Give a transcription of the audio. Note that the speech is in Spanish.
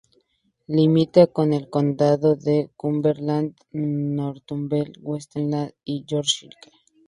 Limita con el condado de Cumberland, Northumberland, Westmorland y Yorkshire.